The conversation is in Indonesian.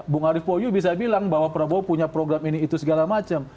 bung arief poyu bisa bilang bahwa prabowo punya program ini itu segala macam